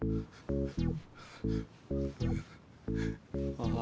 ああ